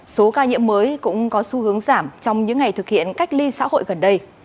số ca nhiễm mới cũng có xu hướng giảm trong những ngày thực hiện cách ly xã hội gần đây